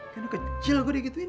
kan gue kecil gue udah gituin